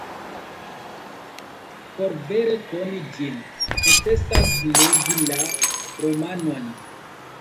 Por vere koni ĝin, necesas legi la romanon.